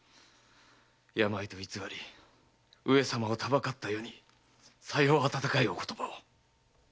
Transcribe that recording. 病と偽り上様をたばかった余にさよう温かいお言葉を。